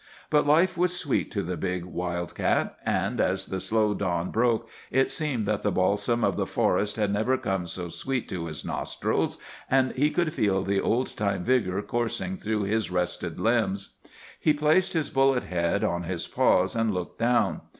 But life was sweet to the big wild cat, and as the slow dawn broke it seemed that the balsam of the forest had never come so sweet to his nostrils, and he could feel the old time vigor coursing through his rested limbs. He placed his bullet head on his paws, and looked down.